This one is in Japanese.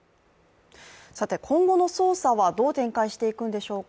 今後の捜査はどう展開していくんでしょうか。